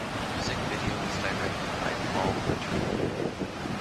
The music video was directed by Paul Hunter.